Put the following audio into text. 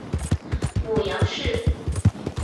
母杨氏。